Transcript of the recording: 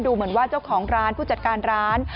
เหมือนว่าเจ้าของร้านผู้จัดการร้าน